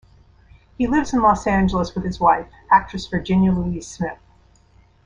He lives in Los Angeles with his wife, actress Virginia Louise Smith.